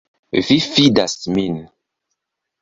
Vi fidas min.